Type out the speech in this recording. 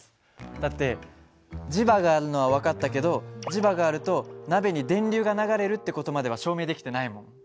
だって磁場があるのは分かったけど磁場があると鍋に電流が流れるって事までは証明できてないもん。